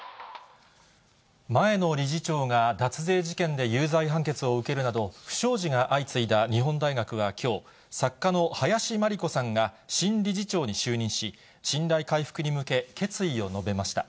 前の理事長が脱税事件で有罪判決を受けるなど、不祥事が相次いだ日本大学はきょう、作家の林真理子さんが新理事長に就任し、信頼回復に向け、決意を述べました。